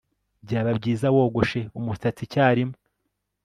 Byaba byiza wogoshe umusatsi icyarimwe